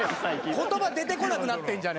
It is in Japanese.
言葉出てこなくなってんじゃねえかよ。